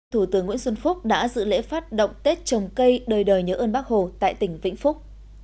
thủ tướng nguyễn xuân phúc đã dự lễ phát động tết trồng cây đời đời nhớ ơn bác hồ tại tỉnh vĩnh phúc